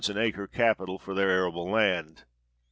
an acre capital for their arable land.